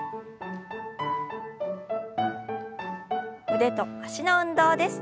腕と脚の運動です。